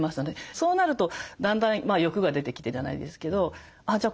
そうなるとだんだん欲が出てきてじゃないですけどじゃあ